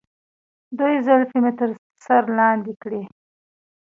دوی زلفې مې تر سر لاندې کړي.